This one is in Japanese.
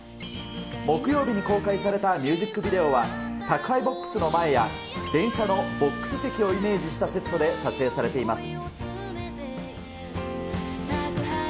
木曜日に公開されたミュージックビデオは、宅配ボックスの前や、電車のボックス席をイメージしたセットで撮影されています。